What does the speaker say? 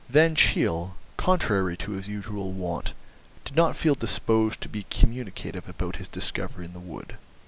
Van Cheele, contrary to his usual wont, did not feel disposed to be communicative about his discovery in the wood.